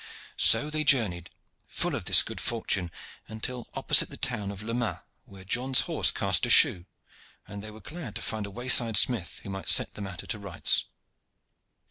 So they journeyed, full of this good fortune, until opposite the town of Le Mas, where John's horse cast a shoe, and they were glad to find a wayside smith who might set the matter to rights.